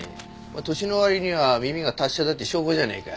年の割には耳が達者だって証拠じゃねえか。